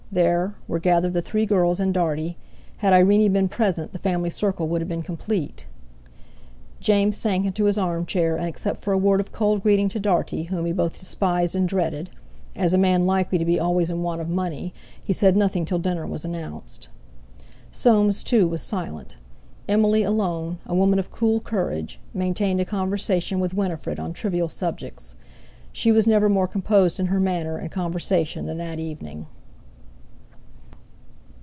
There, were gathered the three girls and Dartie; had Irene been present, the family circle would have been complete. James sank into his armchair, and except for a word of cold greeting to Dartie, whom he both despised and dreaded, as a man likely to be always in want of money, he said nothing till dinner was announced. Soames, too, was silent; Emily alone, a woman of cool courage, maintained a conversation with Winifred on trivial subjects. She was never more composed in her manner and conversation than that evening.